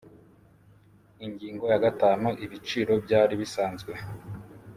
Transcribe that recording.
Ingingo ya gatanu Ibiciro byari bisanzwe